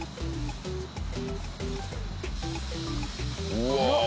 うわ！